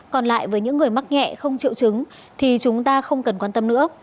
còn lại với những người mắc nhẹ không triệu chứng thì chúng ta không cần quan tâm nữa